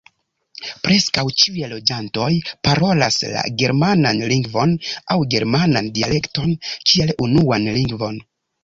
Preskaŭ ĉiuj loĝantoj parolas la germanan lingvon aŭ germanan dialekton kiel unuan lingvon.